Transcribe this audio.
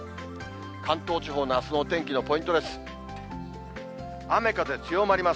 関東地方のあすのお天気のポイントです。